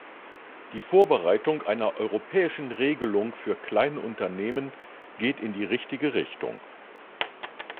Die Vorbereitung einer europäischen Regelung für kleine Unternehmen geht in die richtige Richtung.